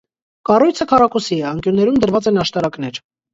Կառույցը քառակուսի է, անկյուններում դրված են աշտարակներ։